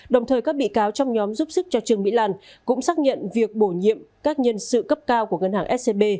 đồng thời các bị cáo trong nhóm giúp sức cho trương mỹ lan cũng xác nhận việc bổ nhiệm các nhân sự cấp cao của ngân hàng scb